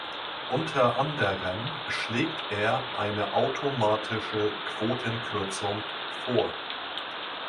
Unter anderem schlägt er eine automatische Quotenkürzung vor.